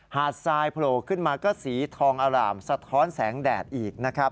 ทรายโผล่ขึ้นมาก็สีทองอร่ามสะท้อนแสงแดดอีกนะครับ